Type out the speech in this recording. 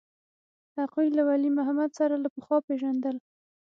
هغوى له ولي محمد سره له پخوا پېژندل.